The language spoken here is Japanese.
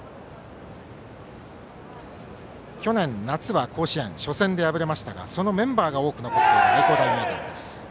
去年、夏は甲子園初戦で敗れましたがそのメンバーが多く残っている愛工大名電です。